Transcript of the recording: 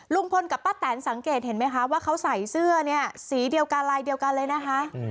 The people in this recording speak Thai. ลุงพลกับป้าแตนสังเกตเห็นไหมคะว่าเขาใส่เสื้อเนี่ยสีเดียวกันลายเดียวกันเลยนะคะ